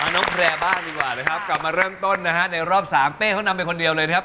น้องแพร่บ้างดีกว่านะครับกลับมาเริ่มต้นนะฮะในรอบ๓เป้เขานำไปคนเดียวเลยนะครับ